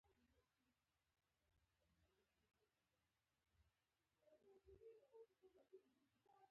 د افغانانو مېلمه پالنه تاریخي ده.